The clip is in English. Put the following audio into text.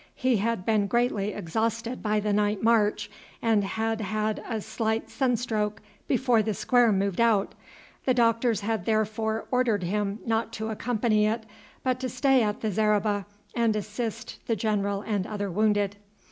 He had been greatly exhausted by the night march and had had a slight sunstroke before the square moved out; the doctors had therefore ordered him not to accompany it, but to stay at the zareba and assist the general and other wounded.